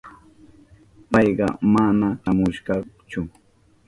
Payka mana shamushkachu.